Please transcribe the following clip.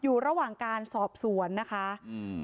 อยู่ระหว่างการสอบสวนนะคะอืม